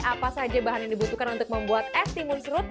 apa saja bahan yang dibutuhkan untuk membuat es timun serut